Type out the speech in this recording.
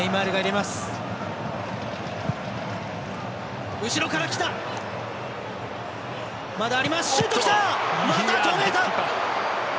また、止めた！